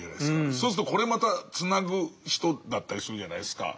そうするとこれまた繋ぐ人だったりするじゃないですか。